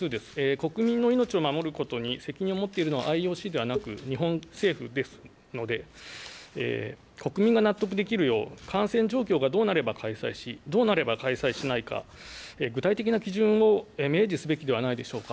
国民の命を守ることに責任を持っているのはＩＯＣではなく、日本政府ですので、国民が納得できるよう、感染状況がどうなれば開催し、どうなれば開催しないか、具体的な基準を明示すべきではないでしょうか。